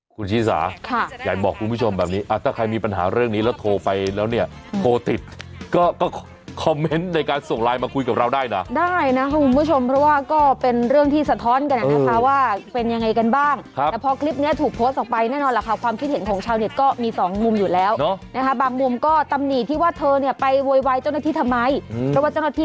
คุณเห็นชีวิตคนเราเป็นผักเป็นปลาหรือไงคุณเห็นชีวิตประชาชนเป็นอะไร